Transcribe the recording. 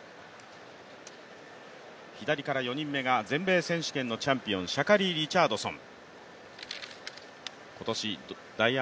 左から４人目が全米選手権のチャンピオンシャカリ・リチャードソン。